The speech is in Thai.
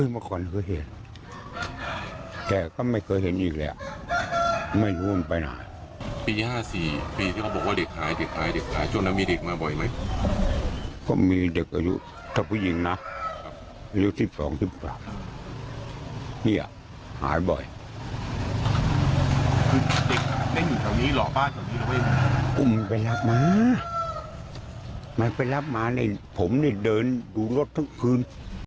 มาไปรับมาเหน็ตผมเดินดูรถทั้งคืน